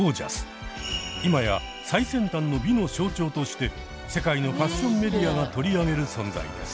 今や最先端の美の象徴として世界のファッションメディアが取り上げる存在です。